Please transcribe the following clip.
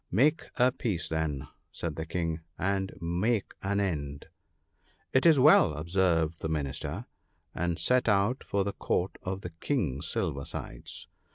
' Make a peace then/ said the King, • and make an end.' ' It is well,' observed the Minister, and set out for the Court of the King Silver sides.